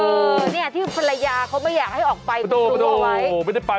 เออนี่ที่ภรรยาเขาไม่อยากให้ออกไป